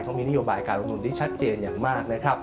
เขามีนิยบายการลงทุนที่ชัดเจนอย่างมาก